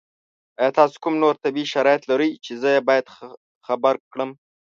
ایا تاسو کوم نور طبي شرایط لرئ چې زه یې باید خبر کړم؟